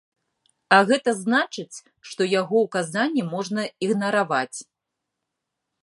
А гэта значыць, што яго ўказанні можна ігнараваць.